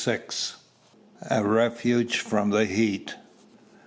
A REFUGE FROM THE HEAT.